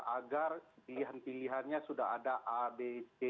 agar pilihan pilihannya sudah ada a b c